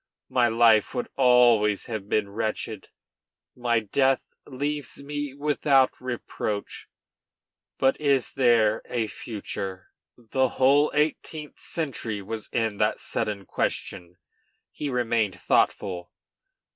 My life would always have been wretched; my death leaves me without reproach. But is there a future?" The whole eighteenth century was in that sudden question. He remained thoughtful.